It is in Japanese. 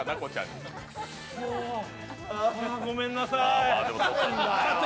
ごめんなさい。